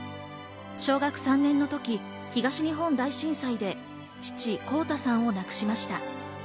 小学３年の時、東日本大震災で父・功太さんを亡くしました。